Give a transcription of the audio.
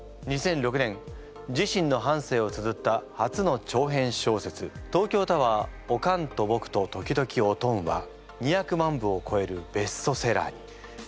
２００６年自身の半生をつづった初の長編小説「東京タワーオカンとボクと、時々、オトン」は２００万部をこえるベストセラーに。